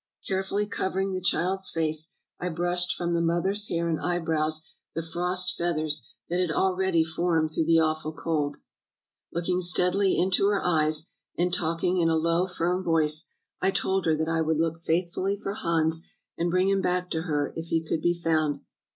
Carefully covering the child's face, I brushed from the mother's hair and eyebrows the The Wifely Heroism of Mertuk 383 frost feathers that had already formed through the awful cold. Looking steadily into her eyes, and talk ing in a low, firm voice, I told her that I would look faithfully for Hans, and bring him back to her if he could be found.